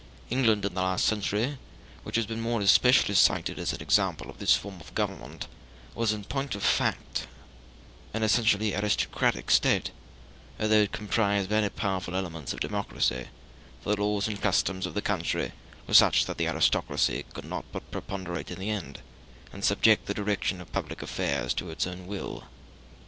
England in the last century, which has been more especially cited as an example of this form of Government, was in point of fact an essentially aristocratic State, although it comprised very powerful elements of democracy; for the laws and customs of the country were such that the aristocracy could not but preponderate in the end, and subject the direction of public affairs to its own will.